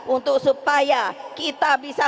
untuk supaya kita bisa